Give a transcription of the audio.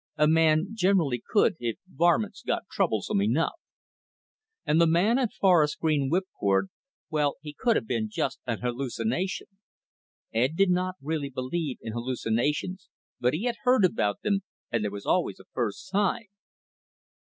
A man generally could, if varmints got troublesome enough. And the man in forest green whipcord, well, he could have been just an hallucination. Ed did not really believe in hallucinations, but he had heard about them, and there was always a first time.